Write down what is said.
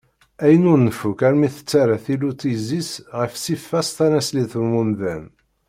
Ayen ur nfukk armi t-terra tillut Izis ɣer ṣṣifa-s tanaṣlit n wemdan.